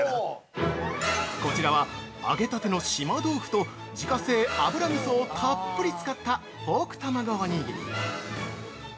◆こちらは、揚げたての島豆腐と自家製油みそをたっぷり使ったポークたまごおにぎり。